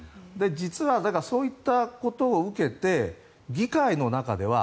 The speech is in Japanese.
実はそういったことを受けて議会の中では